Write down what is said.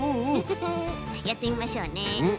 やってみましょうね。